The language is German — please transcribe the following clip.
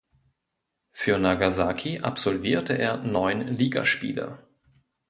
Für Nagasaki absolvierte er neun Ligaspiele.